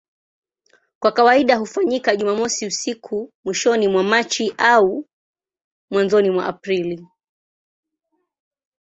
Kwa kawaida hufanyika Jumamosi usiku mwishoni mwa Machi au mwanzoni mwa Aprili.